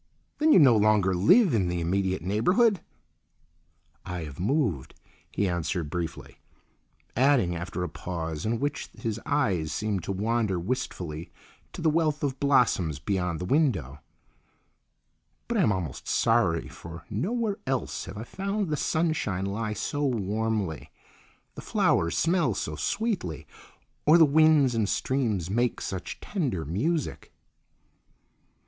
"Then you no longer live in the immediate neighbourhood?" "I have moved," he answered briefly, adding after a pause in which his eyes seemed to wander wistfully to the wealth of blossoms beyond the window; "but I am almost sorry, for nowhere else have I found the sunshine lie so warmly, the flowers smell so sweetly, or the winds and streams make such tender music.